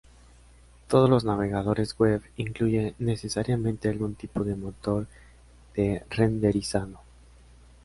Todos los navegadores web incluyen necesariamente algún tipo de motor de renderizado.